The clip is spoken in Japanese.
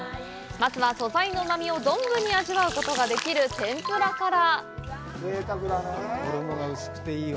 まずは、素材のうまみを存分に味わうことができる天ぷらから。